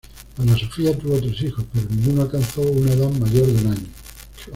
Ana Sofía tuvo tres hijos, pero ninguno alcanzó una edad mayor de un año.